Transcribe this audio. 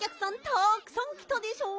たくさんきたでしょ？